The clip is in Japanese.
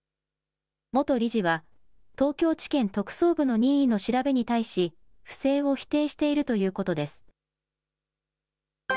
元理事は、東京地検特捜部の任意の調べに対し、不正を否定しているということです。